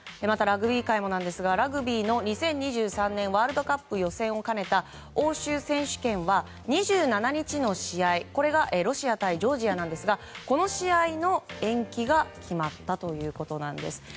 またラグビー界もですがラグビーの２０２３年ワールドカップ予選を兼ねた欧州選手権は２７日の試合がロシア対ジョージアですがこの試合の延期が決まったということです。